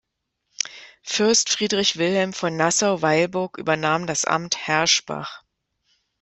Fürst Friedrich Wilhelm von Nassau-Weilburg übernahm das Amt Herschbach.